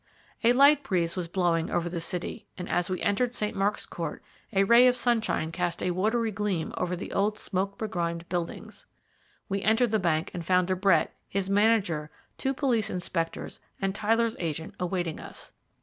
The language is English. A light breeze was blowing over the city, and as we entered St. Mark's Court a ray of sunshine cast a watery gleam over the old smoke begrimed buildings. We entered the bank and found De Brett, his manager, two police inspectors, and Tyler's agent awaiting us.